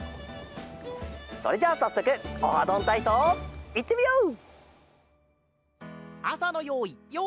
それじゃあさっそく「オハどんたいそう」いってみよう！